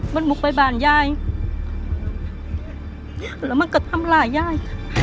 มันบุกไปบ้านยายแล้วมันก็ทำร้ายยาย